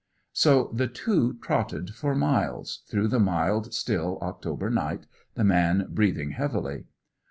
So the two trotted for miles, through the mild, still October night, the man breathing heavily.